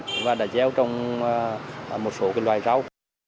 chúng tôi đã gieo trong một số loài rau